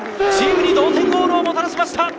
チームに同点ゴールをもたらしました。